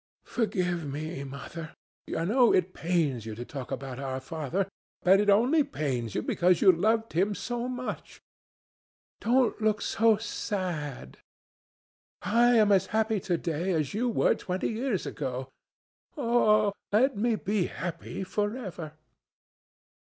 "Forgive me, Mother. I know it pains you to talk about our father. But it only pains you because you loved him so much. Don't look so sad. I am as happy to day as you were twenty years ago. Ah! let me be happy for ever!"